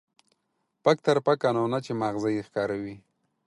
پک تر پکه، نو نه چې ما غزه يې ښکاره وي.